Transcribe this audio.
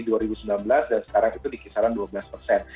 dan sekarang itu di kisaran dua belas persen